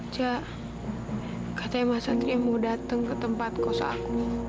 ca katanya mas santri mau datang ke tempat kos aku